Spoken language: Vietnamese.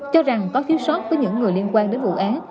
cho rằng có thiếu sót với những người liên quan đến vụ án